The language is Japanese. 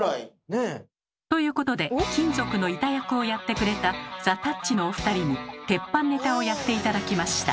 ねえ？ということで金属の板役をやってくれたザ・たっちのお二人に鉄板ネタをやって頂きました。